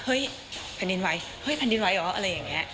เฮ้ยแผ่นดินไหวเฮ้ยแผ่นดินไหวเหรออะไรอย่างนี้